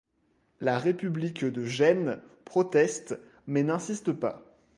La République de Gênes proteste mais n'insiste pas.